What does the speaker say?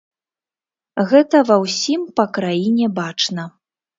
Гэта ва ўсім па краіне бачна.